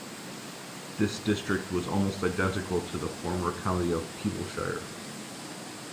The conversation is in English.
This district was almost identical to the former county of Peeblesshire.